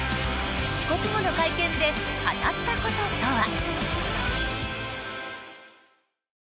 帰国後の会見で語ったこととは。